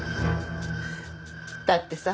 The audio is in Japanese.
だってさ。